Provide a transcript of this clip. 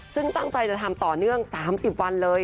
ซึ่งตั้งใจจะทำต่อเนื่อง๓๐วันเลย